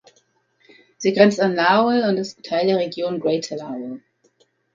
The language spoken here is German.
Sie grenzt an Lowell und ist Teil der Region Greater Lowell.